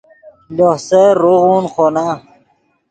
لوہ سیر روغون خونا